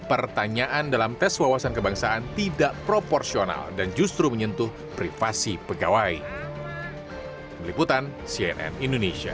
pertanyaan dalam tes wawasan kebangsaan tidak proporsional dan justru menyentuh privasi pegawai